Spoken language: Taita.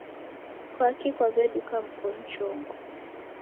Kwaki kwaweduka mkonu chongo